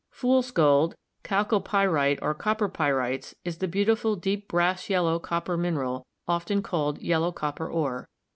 Tool's Gold,' Chalcopyrite, or Copper Pyrites, is the beautiful deep brass yellow copper mineral, often called yellow copper ore.